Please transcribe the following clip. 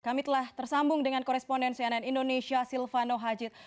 kami telah tersambung dengan koresponden cnn indonesia silvano hajid